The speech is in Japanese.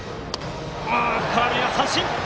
空振り三振。